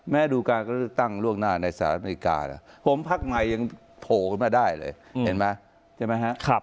ดูการเลือกตั้งล่วงหน้าในสหรัฐอเมริกานะผมพักใหม่ยังโผล่ขึ้นมาได้เลยเห็นไหมใช่ไหมฮะ